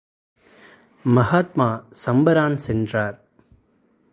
மகாத்மா சம்பரான் சென்றார்.